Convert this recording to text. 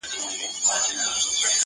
چي لومړۍ ورځ مي هگۍ ورته راغلا کړه،